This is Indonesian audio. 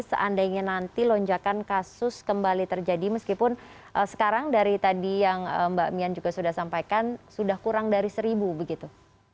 seandainya nanti lonjakan kasus kembali terjadi meskipun sekarang dari tadi yang mbak mian juga sudah sampaikan sudah kurang dari seribu begitu